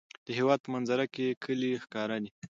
د هېواد په منظره کې کلي ښکاره دي.